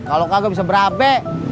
kalau kagak bisa berabe